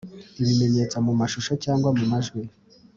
bimenyetso mu mashusho cyangwa mu majwi